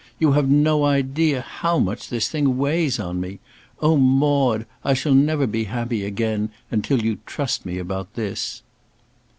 You have no idea how much this thing weighs on me. Oh, Maude, I shall never be happy again until you trust me about this."